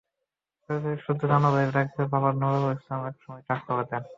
পারিবারিক সূত্রে জানা যায়, রাকিবের বাবা নুরুল আলম একসময় ট্রাক চালাতেন।